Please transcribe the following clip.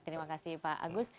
terima kasih pak agus